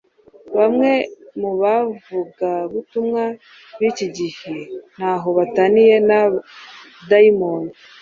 Bamwe mu bavugabutumwa b’iki gihe ntaho bataniye na dayimoni